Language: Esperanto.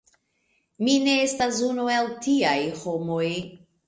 Mi ne estas unu el tiaj homoj.